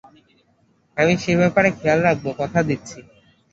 আমি সে ব্যাপারে খেয়াল রাখবো, কথা দিচ্ছি।